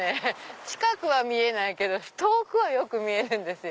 近くは見えないけど遠くはよく見えるんですよ。